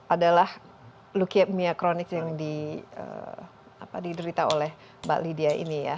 adalah leukemia kronik yang diderita oleh mbak lydia ini ya